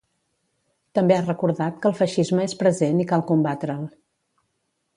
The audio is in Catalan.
També ha recordat que el feixisme és present i cal combatre'l.